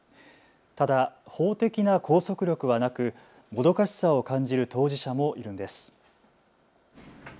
ただ法的な拘束力はなくもどかしさを感じる当事者もいるんです。